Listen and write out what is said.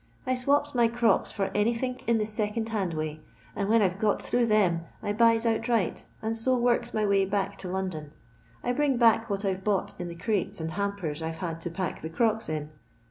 I swops my crocks for anythink in the second hand way, and when I 've got through them I buys outriglit, and so works my way back to London. I bring back what I 've bought in the crates and hampers I 've had to pack the crocks in.